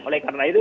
oleh karena itu